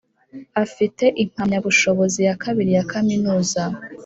afite impamyabushobozi ya kabiri ya kaminuza